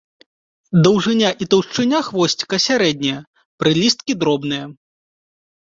Даўжыня і таўшчыня хвосціка сярэднія, прылісткі дробныя.